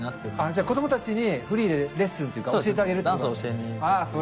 じゃあ子供たちにフリーでレッスンっていうか教えてあげるってこと？